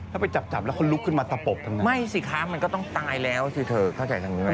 ถ้าไปจับจับแล้วเขาลุกขึ้นมาตะปบทำไมไม่สิคะมันก็ต้องตายแล้วสิเธอเข้าใจทางนี้ไหม